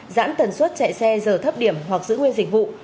giãn tần suất chạy xe giờ thấp điểm hoặc giữ nguyên dịch vụ